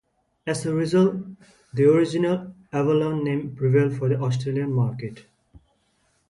As a result, the original "Avalon" name prevailed for the Australian market.